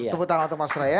tepuk tangan untuk mas raya